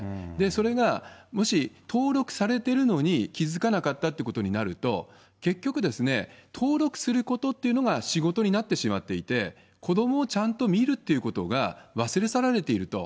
それがもし、登録されてるのに気付かなかったってことになると、結局、登録することというのが仕事になってしまっていて、子どもをちゃんと見るっていうことが忘れ去られていると。